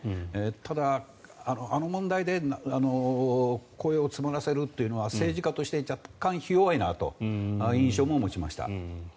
ただ、あの問題で声を詰まらせるというのは政治家として若干、ひ弱いなという印象も持ちました。